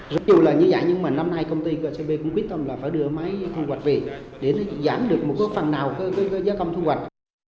rất nhiều là như vậy nhưng mà năm nay công ty kcb cũng quyết tâm là phải đưa máy thu hoạch về để giảm được một cái phần nào cái giá công thu hoạch